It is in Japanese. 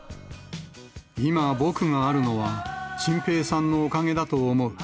今、僕があるのは、チンペイさんのおかげだと思う。